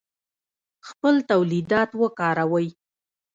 خپل تولیدات وکاروئ